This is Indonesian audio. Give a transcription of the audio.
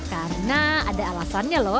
karena ada alasannya loh